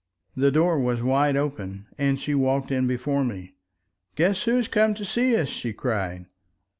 The door was wide open, and she walked in before me. "Guess who has come to see us!" she cried.